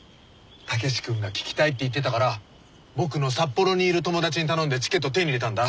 武志君が聴きたいって言ってたから僕の札幌にいる友達に頼んでチケット手に入れたんだ。